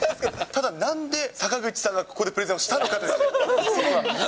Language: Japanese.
ただなんで、坂口さんがここでプレゼンをしたのかという。